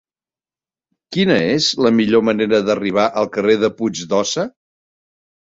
Quina és la millor manera d'arribar al carrer de Puig d'Óssa?